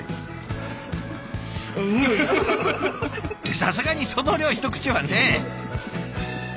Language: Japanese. さすがにその量一口はね。